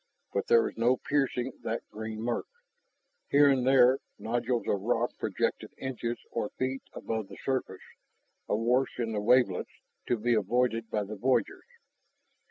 But there was no piercing that green murk. Here and there nodules of rock projected inches or feet above the surface, awash in the wavelets, to be avoided by the voyagers.